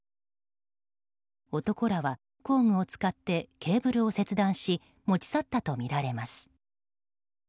男らは、工具を使ってケーブルを切断し持ち去ったとみられます。